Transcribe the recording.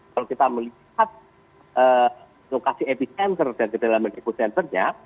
kalau kita melihat lokasi epicenter dan kedalaman epicenternya